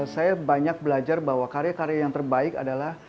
saya banyak belajar bahwa karya karya yang terbaik adalah